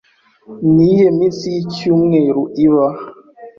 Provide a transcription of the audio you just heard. Ni iyihe minsi yicyumweru iba?